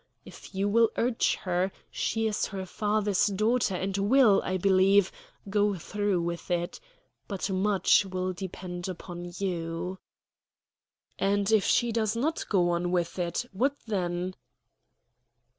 If you will urge her, she is her father's daughter, and will, I believe, go through with it. But much will depend upon you." "And if she does not go on with it what then?"